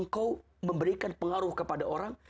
engkau memberikan pengaruh kepada orang